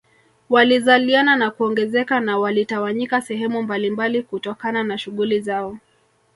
Walizaliana na kuongezeka na walitawanyika sehemu mbalimbali kutokana na shughuli zao